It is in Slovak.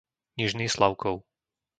Nižný Slavkov